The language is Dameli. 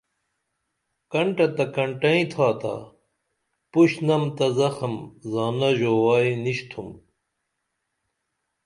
کنٹہ تہ کنٹئیں تھاتا پُشنم تہ زخم زانہ ژوائی نِشتُھم